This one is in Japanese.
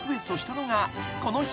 ［この人］